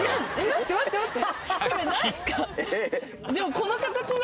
待って待って待って。